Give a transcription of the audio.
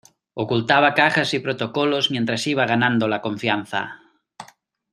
ocultaba cajas y protocolos mientras iba ganando la confianza